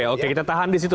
oke kita tahan di situ